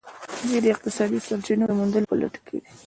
دوی د اقتصادي سرچینو د موندلو په لټه کې دي